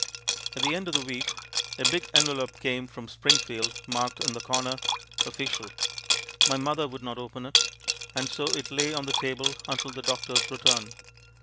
At the end of the week a big envelope came from Springfield marked in the corner, "Official." My mother would not open it, and so it lay on the table until the doctor's return.